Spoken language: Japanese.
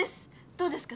どうですか？